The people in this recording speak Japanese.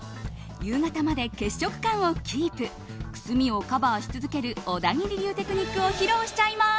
夕方まで血色感をキープくすみをカバーし続ける小田切流テクニックを披露しちゃいます。